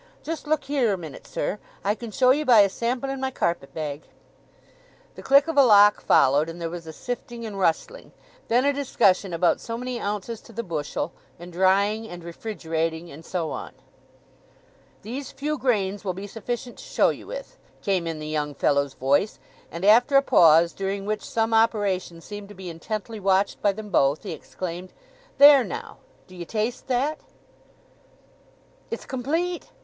Just look heere a minute, sir. I can show ye by a sample in my carpet bag." The click of a lock followed, and there was a sifting and rustling; then a discussion about so many ounces to the bushel, and drying, and refrigerating, and so on. "These few grains will be sufficient to show ye with," came in the young fellow's voice; and after a pause, during which some operation seemed to be intently watched by them both, he exclaimed, "There, now, do you taste that." "It's complete!